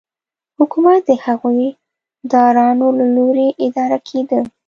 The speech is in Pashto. حکومت د هغو داورانو له لوري اداره کېده